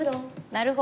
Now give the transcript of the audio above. なるほど。